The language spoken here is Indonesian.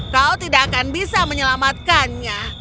kau tidak akan bisa menyelamatkannya